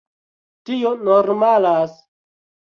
Tio normalas.